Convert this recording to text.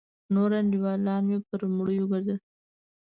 نور انډيولان مې پر مړيو گرځېدل.